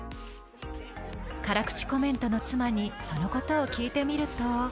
辛口コメントの妻に、そのことを聞いてみると。